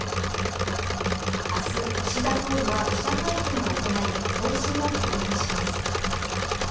明日、岸田総理は記者会見を行い方針を表明します。